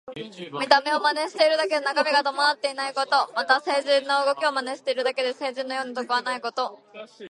見た目を真似しているだけで中身が伴っていないこと。または、聖人の動きを真似しているだけで聖人のような徳はないこと。